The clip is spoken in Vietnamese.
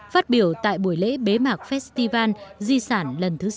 phát biểu tại buổi lễ bế mạc festival di sản lần thứ sáu năm hai nghìn một mươi bảy